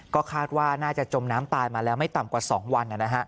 ก็คาดว่าน่าจะจมน้ำตายมาแล้วไม่ต่ำกว่า๒วัน